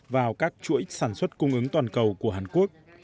vào các chuỗi sản xuất cung ứng toàn cầu của hàn quốc